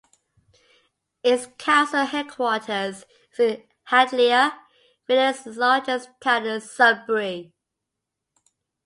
Its council headquarters is in Hadleigh, whilst its largest town is Sudbury.